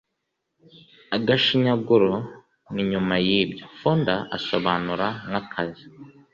Agashinyaguro ni nyuma yibyo Fonda asobanura nkakazi